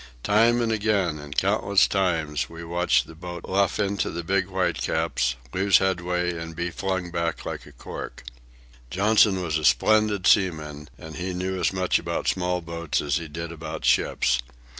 Time and again and countless times we watched the boat luff into the big whitecaps, lose headway, and be flung back like a cork. Johnson was a splendid seaman, and he knew as much about small boats as he did about ships.